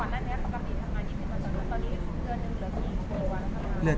แล้วเกิดเกิดยังเหลือสองเดือน